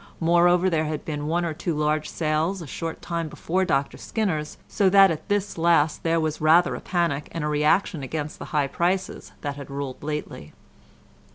Moreover there had been one or two large sales a short time before Dr Skinner's, so that at this last there was rather a panic, and a reaction against the high prices that had ruled lately.